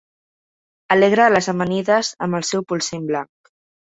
Alegra les amanides amb el seu polsim blanc.